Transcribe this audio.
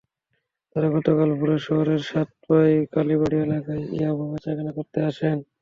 তাঁরা গতকাল ভোরে শহরের সাতপাই কালীবাড়ি এলাকায় ইয়াবা বেচাকেনা করতে আসেন।